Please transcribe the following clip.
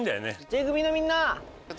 Ｊ組のみんな！